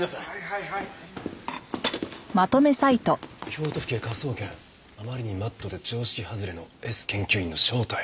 「京都府警科捜研あまりにマッドで常識外れのＳ研究員の正体」。